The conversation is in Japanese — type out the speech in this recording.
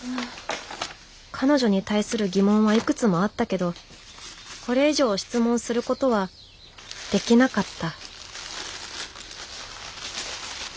彼女に対する疑問はいくつもあったけどこれ以上質問することはできなかった